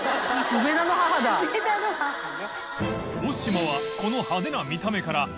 梅田の母ね。